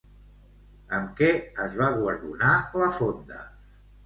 Amb què es va guardonar la fonda?